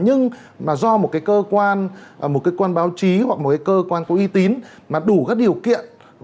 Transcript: nhưng mà do một cái cơ quan một cái cơ quan báo chí hoặc một cái cơ quan có y tín mà đủ các điều kiện